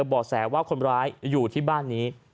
บ่อแสว่าคนร้ายอยู่ที่บ้านนี้